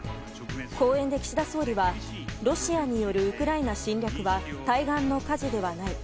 講演で岸田総理はロシアによるウクライナ侵略は対岸の火事ではない。